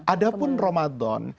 ada pun ramadan